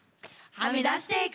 はみ出していく。